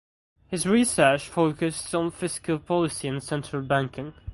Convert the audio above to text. His research focused on fiscal policy and central banking.